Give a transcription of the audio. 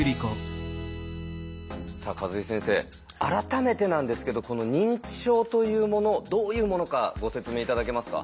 さあ數井先生改めてなんですけどこの認知症というものどういうものかご説明頂けますか？